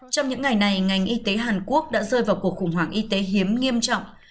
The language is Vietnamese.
trong những ngày này ngành y tế hàn quốc đã rơi vào cuộc khủng hoảng y tế hiếm nghiêm trọng